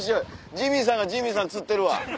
ジミーさんがジミーさん釣ってるわ。